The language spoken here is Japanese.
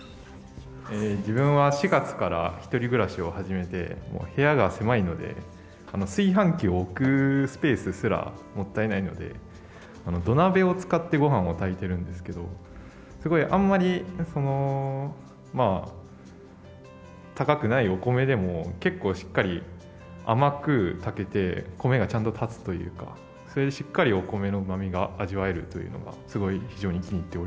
自分は４月から１人暮らしを始めて部屋が狭いので炊飯器を置くスペースすらもったいないので土鍋を使って御飯を炊いているんですけどすごいあんまり高くないお米でも結構しっかり甘く炊けて米がちゃんと立つというかそれでしっかりお米のうまみが味わえるというのがすごい非常に気に入っております。